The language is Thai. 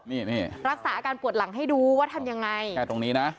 นี่นี่รักษาอาการปวดหลังให้ดูว่าทำยังไงแค่ตรงนี้นะ